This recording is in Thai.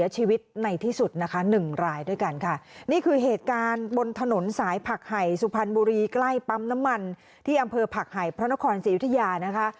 เจอผักหายพระนครเสียยุทธยานะคะ